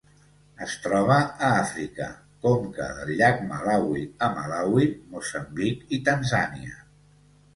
Es troba a Àfrica: conca del llac Malawi a Malawi, Moçambic i Tanzània.